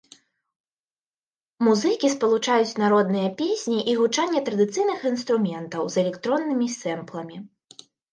Музыкі спалучаюць народныя песні і гучанне традыцыйных інструментаў з электроннымі сэмпламі.